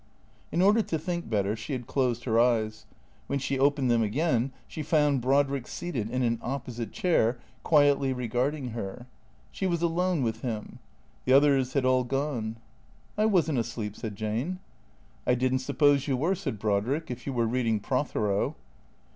In order to think better she had closed her eyes. "WTien she opened them again she found Brodrick seated in an opposite chair, quietly regarding her. She was alone with him. The others had all gone. " I was n't asleep," said Jane. " I did n't suppose you were," said Brodrick ;" if you were reading Prothero."